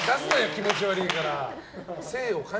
気持ち悪いから！